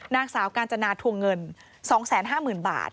นางสาวกาญจนาทวงเงิน๒๕๐๐๐บาท